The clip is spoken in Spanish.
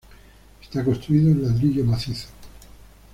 Está construido en ladrillo macizo.